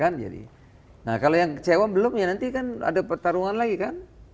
nah kalau yang kecewa belum ya nanti kan ada pertarungan lagi kan